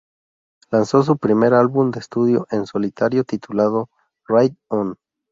Lanzó su primer álbum de estudio en solitario titulado "Right On!